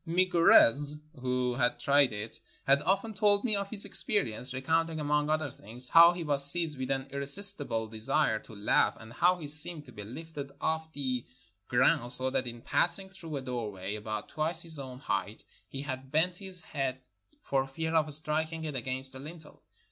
Miguerez, who had tried it, had often told me of his experiences, recounting, among other things, how he was seized with an irresistible desire to laugh, and how he seemed to be lifted off the 330 ONE DAY IN MOROCCO ground, so that in passing through a doorway, about twice his own height, he had bent his head for fear of striking it against the lintel.